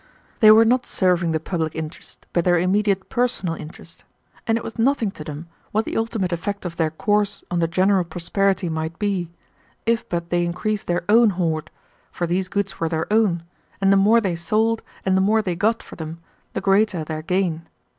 They were not serving the public interest, but their immediate personal interest, and it was nothing to them what the ultimate effect of their course on the general prosperity might be, if but they increased their own hoard, for these goods were their own, and the more they sold and the more they got for them, the greater their gain.